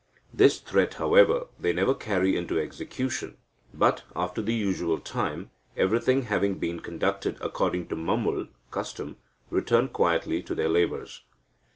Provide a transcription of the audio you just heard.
This threat, however, they never carry into execution, but, after the usual time, everything having been conducted according to mamul (custom), return quietly to their labours."